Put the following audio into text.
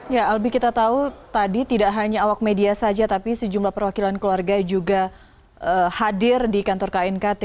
ya albi kita tahu tadi tidak hanya awak media saja tapi sejumlah perwakilan keluarga juga hadir di kantor knkt